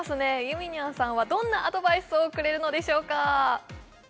ゆみにゃんさんはどんなアドバイスをくれるのでしょうか？